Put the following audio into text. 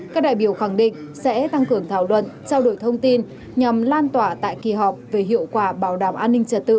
các đại biểu khẳng định sẽ tăng cường thảo luận trao đổi thông tin nhằm lan tỏa tại kỳ họp về hiệu quả bảo đảm an ninh trật tự